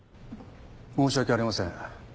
申し訳ありません